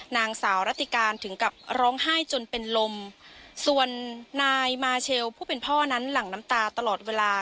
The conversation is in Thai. นางสาวรัติการถึงกับร้องไห้จนเป็นลมส่วนนายมาเชลผู้เป็นพ่อนั้นหลั่งน้ำตาตลอดเวลา